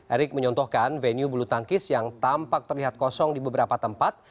erick menyontohkan venue bulu tangkis yang tampak terlihat kosong di beberapa tempat